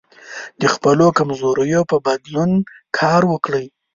د خپلو کمزوریو په بدلون کار وکړئ.